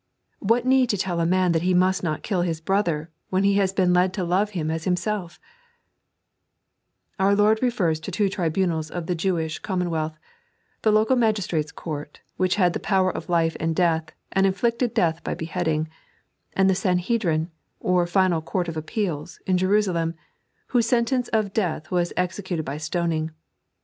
What need to tell a man that he must not kill his brother, when be has been led to live bim as himself 1 Our Lord refers to two tribunals of the Jewish o wealth — the local magistrate's court, which had the power of life and death, and inflicted death by beheading; and the Sanhedrim, or final Court of Appeal, in Jerusalem, whose sentence of death was executed by stoning.